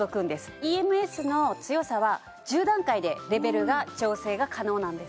ＥＭＳの強さは１０段階でレベルが調整が可能なんです・